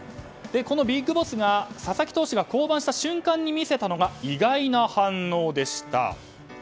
このＢＩＧＢＯＳＳが佐々木投手が降板した瞬間に見せたのが意外な反応でした。